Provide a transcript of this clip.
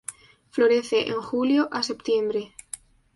Florece en julio a septiembre.